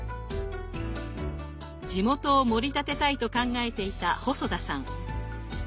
地元をもり立てたいと考えていた細田さん。